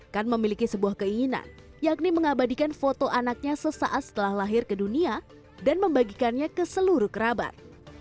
kan memiliki sebuah keinginan yakni mengabadikan foto anaknya sesaat setelah lahir ke dunia dan membagikannya ke seluruh kerabat